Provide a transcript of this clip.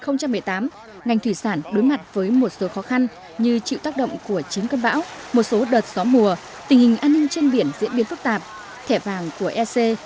năm hai nghìn một mươi tám ngành thủy sản đối mặt với một số khó khăn như chịu tác động của chín cơn bão một số đợt gió mùa tình hình an ninh trên biển diễn biến phức tạp thẻ vàng của ec